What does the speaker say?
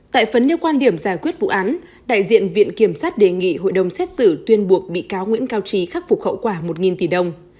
tại phấn nêu quan điểm giải quyết vụ án đại diện viện kiểm sát đề nghị hội đồng xét xử tuyên buộc bị cáo nguyễn cao trí khắc phục hậu quả một tỷ đồng